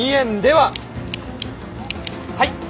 はい！